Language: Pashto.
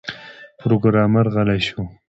پروګرامر غلی شو